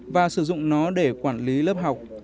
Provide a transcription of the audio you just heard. và sử dụng nó để quản lý lớp học